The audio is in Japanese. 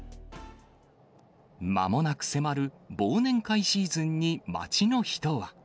まもなく迫る忘年会シーズンに、街の人は。